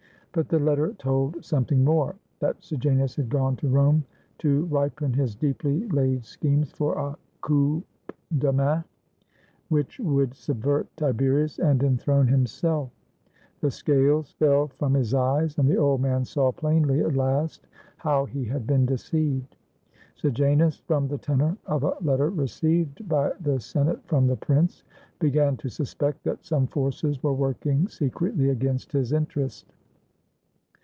But the letter told some thing more — that Sejanus had gone to Rome to ripen his deeply laid schemes for a coup de main, which would subvert Tiberius, and enthrone himself. The scales fell 422 THE FALL OF SEJANUS from his eyes, and the old man saw plainly at last how he had been deceived. Sejanus, from the tenor of a letter received by the Senate from the Prince, began to suspect that some forces were working secretly against his interest.